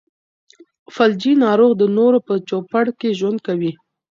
فلجي ناروغ د نورو په چوپړ کې ژوند کوي.